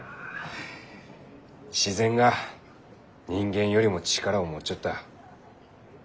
自然が人間よりも力を持っちょった。